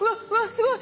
すごい！